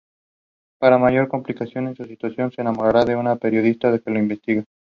Para mayor complicación de su situación, se enamorará de una periodista que lo investiga.